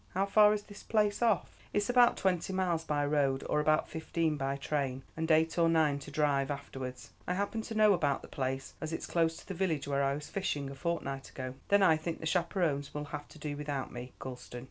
How far is this place off?" "It's about twenty miles by road, or about fifteen by train, and eight or nine to drive afterwards. I happen to know about the place, as it's close to the village where I was fishing a fortnight ago." "Then I think the chaperones will have to do without me, Gulston.